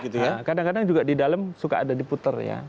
kadang kadang juga di dalam suka ada diputer ya